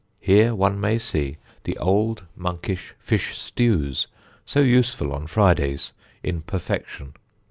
Here one may see the old monkish fish stews, so useful on Fridays, in perfection.